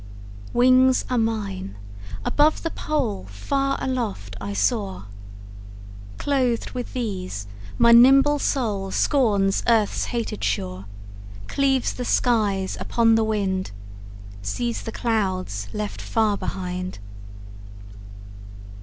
Wings are mine; above the pole Far aloft I soar. Clothed with these, my nimble soul Scorns earth's hated shore, Cleaves the skies upon the wind, Sees the clouds left far behind.